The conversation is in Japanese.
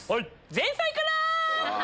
前菜から！